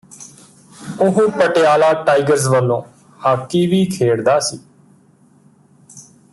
ਉਹ ਪਟਿਆਲਾ ਟਾਈਗਰਜ਼ ਵੱਲੋਂ ਹਾਕੀ ਵੀ ਖੇਡਦਾ ਸੀ